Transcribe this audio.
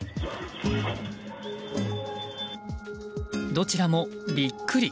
どちらもビックリ。